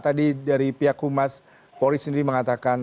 tadi dari pihak umas pori sendiri mengatakan